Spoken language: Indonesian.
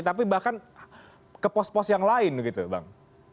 tapi bahkan ke pos pos yang lain gitu bang